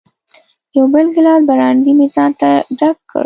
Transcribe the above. یو بل ګیلاس برانډي مې ځانته ډک کړ.